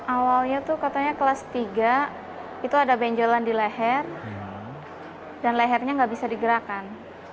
awalnya tuh katanya kelas tiga itu ada benjolan di leher dan lehernya nggak bisa digerakkan